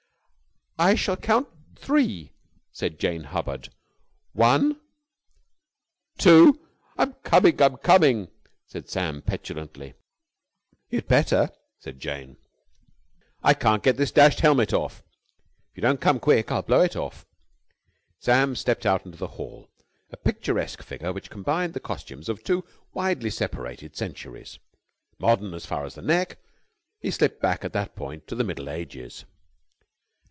"I shall count three," said Jane Hubbard. "One two " "I'm coming! I'm coming!" said Sam petulantly. "You'd better!" said Jane. "I can't get this dashed helmet off!" "If you don't come quick, I'll blow it off." Sam stepped out into the hall, a picturesque figure which combined the costumes of two widely separated centuries. Modern as far as the neck, he slipped back at that point to the Middle Ages.